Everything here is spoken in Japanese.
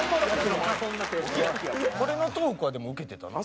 これのトークはでもウケてたな。